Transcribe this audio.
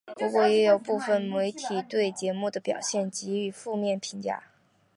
不过也有部分媒体对节目的表现予以负面评价。